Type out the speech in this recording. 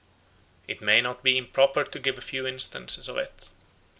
It will not be improper to give a few instances of it.